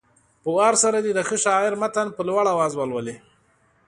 په وار سره دې د ښه شاعر متن په لوړ اواز ولولي.